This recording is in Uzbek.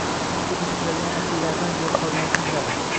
Ko’p ishlatiladigan apilardan foydalanishni biladi